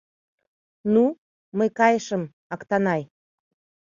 Ну, мый кайышым, Актанай.